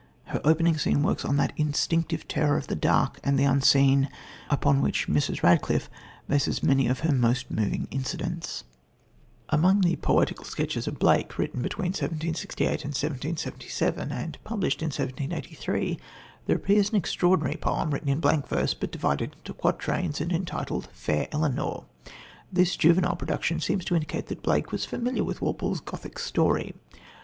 Her opening scene works on that instinctive terror of the dark and the unseen, upon which Mrs. Radcliffe bases many of her most moving incidents. Among the Poetical Sketches of Blake, written between 1768 and 1777, and published in 1783, there appears an extraordinary poem written in blank verse, but divided into quatrains, and entitled Fair Elenor. This juvenile production seems to indicate that Blake was familiar with Walpole's Gothic story.